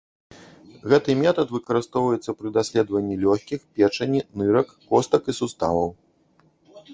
Гэты метад выкарыстоўваецца пры даследаванні лёгкіх, печані, нырак, костак і суставаў.